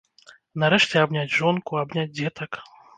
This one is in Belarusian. Нарэшце абняць жонку, абняць дзетак.